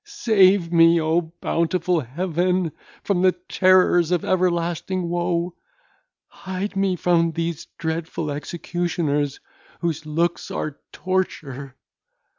Save me, O bountiful Heaven! from the terrors of everlasting woe; hide me from these dreadful executioners, whose looks are torture.